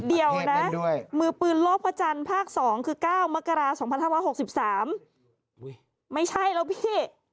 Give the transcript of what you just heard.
เดี๋ยวนะมือปืนโลกพระจันทร์ภาค๒คือ๙มกรา๒๕๖๓ไม่ใช่แล้วพี่